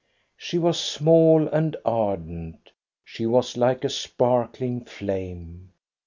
She was small and ardent. She was like a sparkling flame.